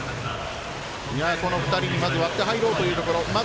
この２人に割って入ろうというところ。